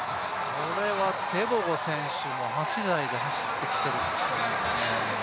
これはテボゴ選手も８台で走ってきていますね。